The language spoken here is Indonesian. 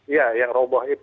ya yang roboh